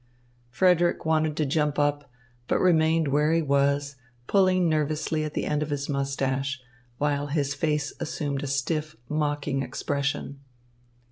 Frederick wanted to jump up, but remained where he was, pulling nervously at the end of his moustache, while his face assumed a stiff, mocking expression.